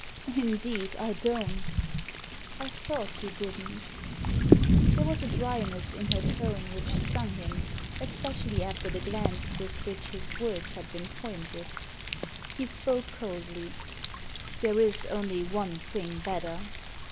"" Indeed, I don't" "I thought you didn't" There was a dryness in her tone which stung him, especially after the glance with which his words had been pointed He spoke coldly. " There is only one thing better."